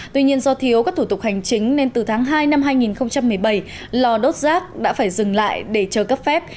tuy nhiên do thiếu các thủ tục hành chính nên từ tháng hai năm hai nghìn một mươi bảy lò đốt rác đã phải dừng lại để chờ cấp phép